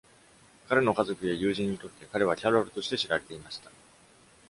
彼の家族や友人にとって、彼は「キャロル」として知られていました。